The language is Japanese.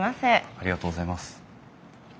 ありがとうございます。